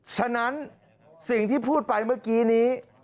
ฉะนั้นสิ่งที่พูดไปเมื่อกี้นี้